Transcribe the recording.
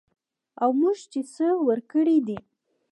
او موږ چې څه ورکړي دي